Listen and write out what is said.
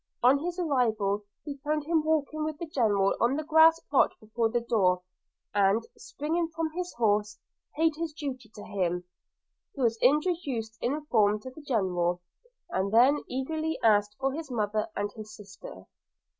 On his arrival, he found him walking with the General on the grass plot before the door; and, springing from his horse, paid his duty to him, was introduced in form to the General, and then eagerly asked for his mother and his sister.